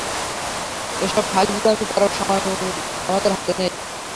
এসব ফাইজলামি করার মতো সময় আমাদের হাতে নেই।